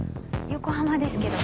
横浜ですけど。